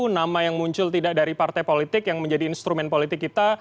nama yang muncul tidak dari partai politik yang menjadi instrumen politik kita